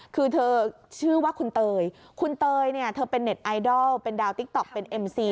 คือเธอชื่อว่าคุณเตยคุณเตยเนี่ยเธอเป็นเน็ตไอดอลเป็นดาวติ๊กต๊อกเป็นเอ็มซี